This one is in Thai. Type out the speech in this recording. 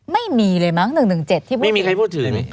ไม่มีเลยมั้ง๑๑๗ที่พูดถึงไม่มีใครพูดถึง